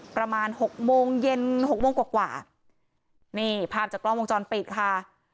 ประมาณหกโมงเย็นหกโมงกว่ากว่านี่ภาพจากกล้องวงจรปิดค่ะ